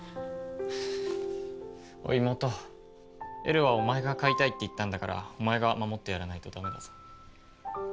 おい妹エルはお前が飼いたいって言ったんだからお前が守ってやらないとダメだぞ。